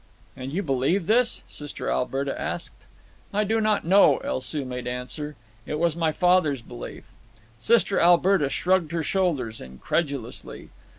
"And you believe this?" Sister Alberta asked. "I do not know," El Soo made answer. "It was my father's belief." Sister Alberta shrugged her shoulders incredulously.